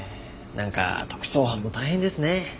なんか特捜班も大変ですね。